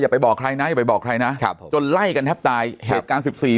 ไปบอกใครนะอย่าไปบอกใครนะครับผมจนไล่กันแทบตายเหตุการณ์สิบสี่